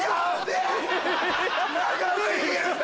長過ぎる！